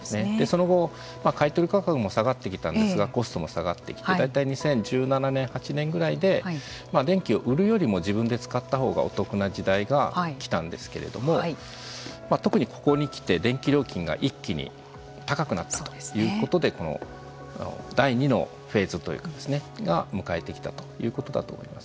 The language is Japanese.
その後買い取り価格も下がってきたんですがコストも下がってきて大体２０１７年２０１８年ぐらいで電気を売るよりも自分で使った方がお得な時代が来たんですけれどもまあ特にここに来て電気料金が一気に高くなったということでこの第２のフェーズというかですね迎えてきたということだと思います。